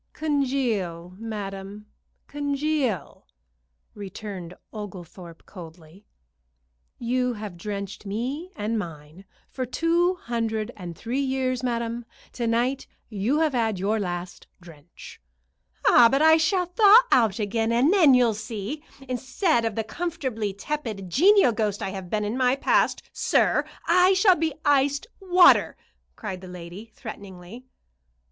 "Congeal, madam, congeal!" returned Oglethorpe, coldly. "You have drenched me and mine for two hundred and three years, madam. To night you have had your last drench." "Ah, but I shall thaw out again, and then you'll see. Instead of the comfortably tepid, genial ghost I have been in my past, sir, I shall be iced water," cried the lady, threateningly.